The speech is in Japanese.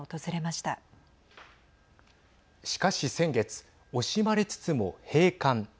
しかし先月、惜しまれつつも閉館。